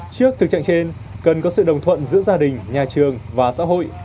trước thực trạng trên cần có sự đồng thuận giữa gia đình nhà trường và xã hội